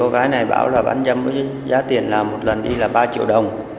giá tiền là một lần đi là ba triệu đồng